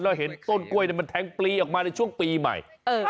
แล้วเห็นต้นกล้วยมันแทงปลีออกมาในช่วงปีใหม่